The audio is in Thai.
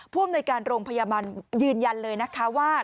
ผู้อำนวยการโรงพยาบาลยืนยันเลยนะคะว่า